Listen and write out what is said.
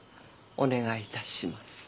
お願いいたします。